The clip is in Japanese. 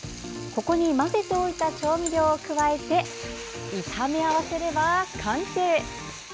ここに混ぜておいた調味料を加えて炒め合わせれば完成。